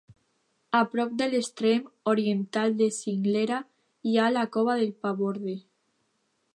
A prop de l'extrem oriental de la cinglera hi ha la Cova del Paborde.